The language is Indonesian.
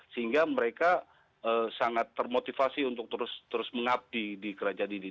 sehingga mereka sangat termotivasi untuk terus mengabdi di kerajaan ini